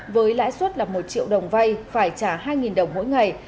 với lãi suất là một triệu đồng vay phải trả hai đồng mỗi ngày